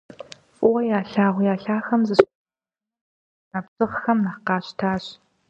ФӀыуэ ялъагъу я лъахэм зыщагъэлӀэжыныр шапсыгъхэми нэхъ къащтащ.